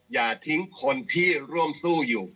อย่าทิ้งคนที่ร่วมสู้อยู่